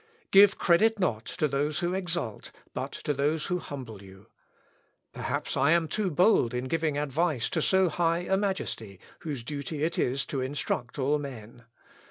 Give credit not to those who exalt, but to those who humble you. Perhaps I am too bold in giving advice to so high a majesty, whose duty it is to instruct all men.